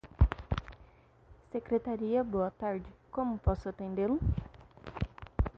Secretaria, boa tarde. Como posso atendê-lo?